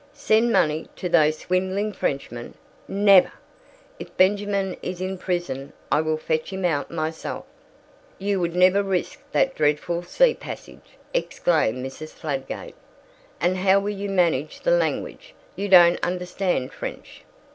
"Send money to those swindling Frenchmen? Never! If Benjamin is in prison I will fetch him out myself." "You would never risk that dreadful sea passage!" exclaimed Mrs. Fladgate. "And how will you manage the language? You don't understand French."